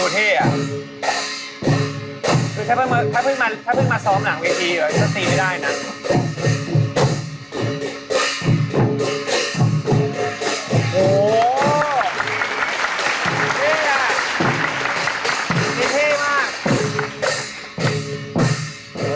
แต่ถ้าเก็บถึงกับกล้าย